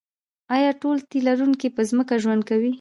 ایا ټول تی لرونکي په ځمکه ژوند کوي